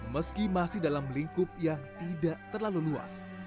meski masih dalam lingkup yang tidak terlalu luas